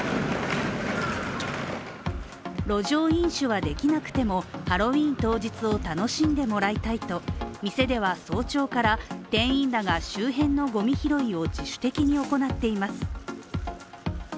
路上飲酒はできなくても、ハロウィーン当日を楽しんでもらいたいと店では、早朝から店員らが周辺のごみ拾いを自主的に行っています。